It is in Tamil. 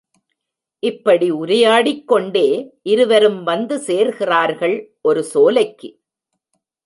இப்படி உரையாடிக் கொண்டே இருவரும் வந்து சேருகிறார்கள் ஒரு சோலைக்கு.